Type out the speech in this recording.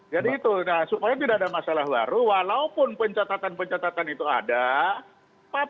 jadi itu supaya tidak ada masalah baru walaupun pencatatan pencatatan itu ada